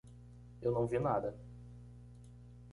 Eu não vi nada.